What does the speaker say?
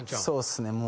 そうっすね。